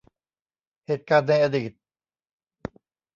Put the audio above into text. เหตุการณ์ในอดีต